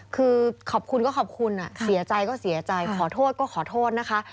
คือขอบคุณก็ขอบคุณเสียใจก็เสียใจขอโทษก็ขอโทษนะคะ